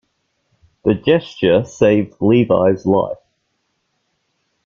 The gesture saved Levi's life.